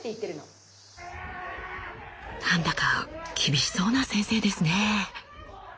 なんだか厳しそうな先生ですね。